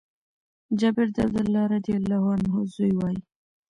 جابر د عبدالله رضي الله عنه زوی وايي :